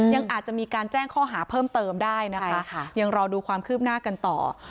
ยังอาจจะมีการแจ้งข้อหาเพิ่มเติมได้นะคะยังรอดูความคืบหน้ากันต่อ